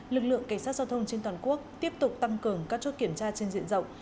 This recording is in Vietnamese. lực lượng cảnh sát giao thông trên toàn quốc tiếp tục tăng cường các chốt kiểm tra trên diện rộng